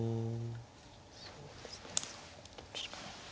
そうですね。